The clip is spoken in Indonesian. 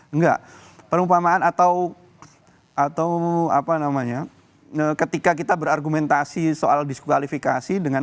enggak perumpamaan atau atau apa namanya ketika kita berargumentasi soal diskualifikasi dengan